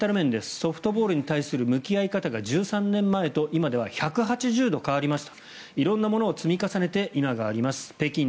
ソフトボールに対する向き合い方が１３年前と今では１８０度変わりました。